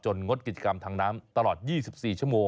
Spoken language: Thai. จนงดกิจกรรมทางน้ำตลอด๒๔ชม